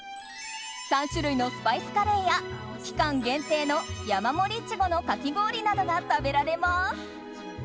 ３種類のスパイスカレーや期間限定の山盛りいちごのかき氷などが食べられます。